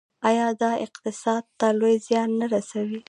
آیا دا اقتصاد ته لوی زیان نه رسوي؟